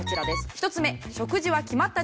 １つ目。